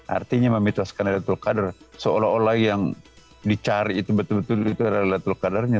artinya memiskan laylatul qadar seolah olah yang dicari itu betul betul itu adalah laylatul qadarnya